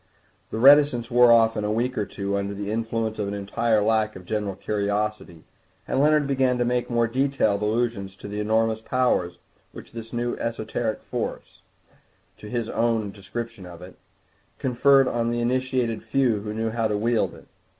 The reticence wore off in a week or two under the influence of an entire lack of general curiosity, and Leonard began to make more detailed allusions to the enormous powers which this new esoteric force, to use his own description of it, conferred on the initiated few who knew how to wield it.